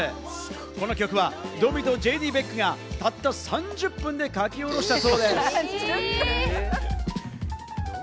この曲はドミとＪＤ・ベックがたった３０分で書き下ろしたそうです。